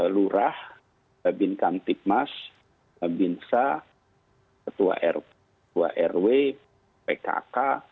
lurah binkang timas binsa ketua rw pkk